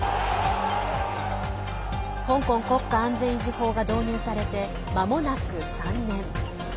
香港国家安全維持法が導入されてまもなく３年。